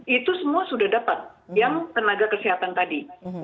itu semua sudah dapat yang tenaga kesehatan tadi